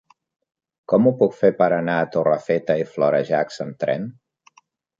Com ho puc fer per anar a Torrefeta i Florejacs amb tren?